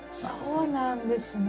そうなんですね。